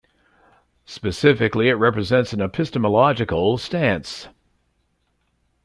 Specifically, it represents an epistemological stance.